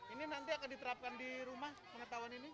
ini nanti akan diterapkan di rumah pengetahuan ini